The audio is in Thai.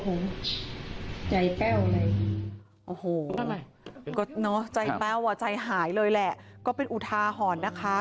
โอ้โหใจแป้วเลยโอ้โหก็เนอะใจแป้วอ่ะใจหายเลยแหละก็เป็นอุทาหรณ์นะคะ